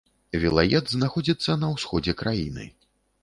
Вілает знаходзіцца на ўсходзе краіны.